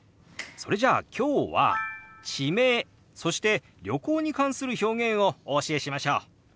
それじゃあ今日は地名そして旅行に関する表現をお教えしましょう！